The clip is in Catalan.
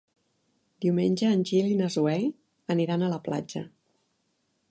Diumenge en Gil i na Zoè aniran a la platja.